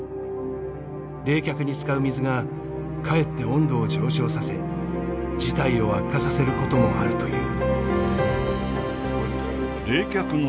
冷却に使う水がかえって温度を上昇させ事態を悪化させることもあるという。